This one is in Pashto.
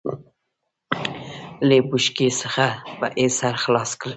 له بوشکې څخه يې سر خلاص کړ.